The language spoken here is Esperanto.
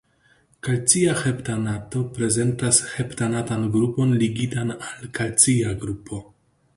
Kalcia heptanato prezentas heptanatan grupon ligitan al kalcia grupo.